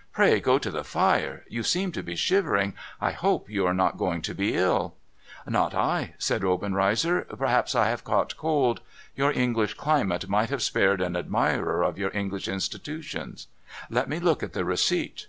' Pray go to the fire. You seem to be shivering — I hope you are not going to be ill ?' MORE BAD NEWS ^^^' Not I !' said Obenreizer. ' Perhaps I have caught cold. Vour English climate might have spared an admirer of your English institutions. Let me look at the receipt.'